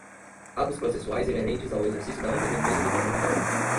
atos processuais inerentes ao exercício da ampla defesa e do contraditório